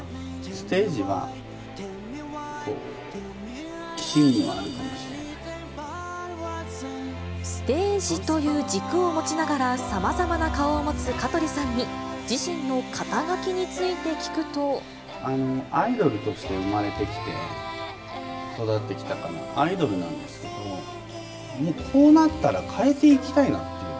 ステージは、ステージという軸を持ちながら、さまざまな顔を持つ香取さんに、アイドルとして生まれてきて、育ってきたから、アイドルなんですけど、もうこうなったら変えていきたいなって。